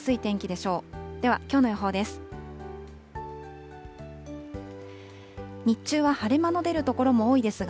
では、きょうの予報です。